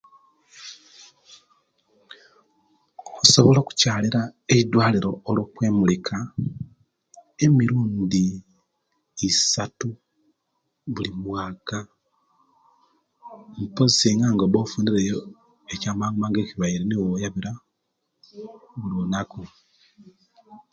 Osobola okukyalira eidwaliro olwe kwemulika emirundi isatu buli mwaka okusinga pozi nga obaire ofunire yo kyamangumangu ekirwaire